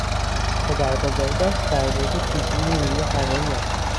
پدربزرگش سرباز پیشین نیروی هوایی است.